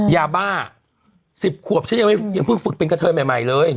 ยาบ้าสิบขวบฉันยังไม่ยังเพิ่งฝึกเป็นกระเทินใหม่เลย